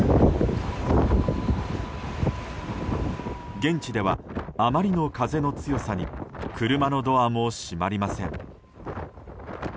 現地では、あまりの風の強さに車のドアも閉まりません。